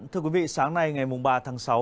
thưa quý vị sáng nay ngày ba tháng sáu